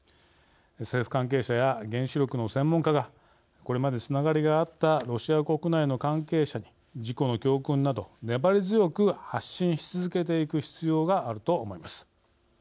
政府関係者や原子力の専門家がこれまで、つながりがあったロシア国内の関係者に事故の教訓など粘り強く発信し続けていく必要があると思います。